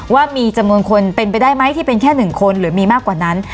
ว่ามีจำนวนคนเป็นไปได้ไหมที่เป็นแค่๑คนหรือมีมากกว่านั้น